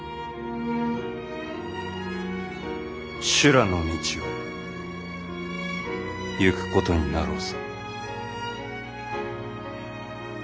修羅の道をゆくことになろうぞ。